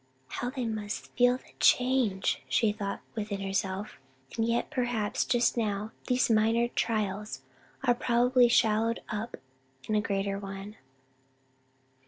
"How they must feel the change!" she thought within herself, "and yet perhaps not just now; these minor trials are probably swallowed up in a greater one."